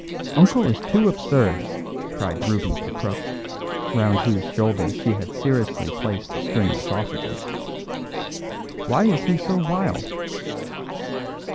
"Uncle is too absurd," cried Ruby to Crook, round whose shoulders she had seriously placed a string of sausages. "Why is he so wild?"